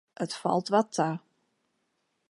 It falt wat ta.